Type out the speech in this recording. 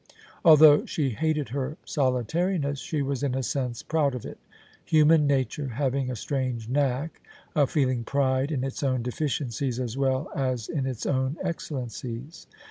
Although she hated her solitari ness, she was in a sense proud of it, human nature having a strange knack of feeling pride in its own deficiencies as well as in its own excellencies.